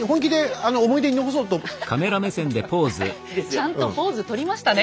ちゃんとポーズ取りましたね